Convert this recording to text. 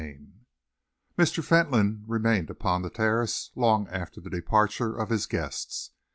CHAPTER XIX Mr. Fentolin remained upon the terrace long after the departure of his guests.